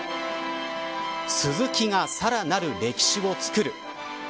スズキがさらなる歴史を作る。